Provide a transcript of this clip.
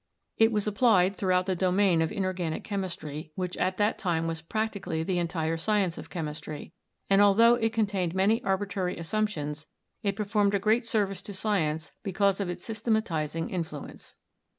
It was applied throughout the domain of inorganic chemistry, which at that time was practically the entire science of chemistry, and altho it contained many arbitrary assumptions it performed a great service to science because of its systematizing influ ence.